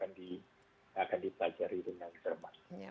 nanti akan dipajari dengan